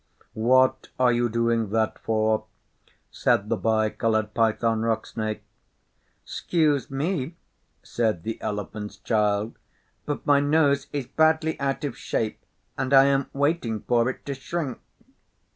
'What are you doing that for?' said the Bi Coloured Python Rock Snake. ''Scuse me,' said the Elephant's Child, 'but my nose is badly out of shape, and I am waiting for it to shrink.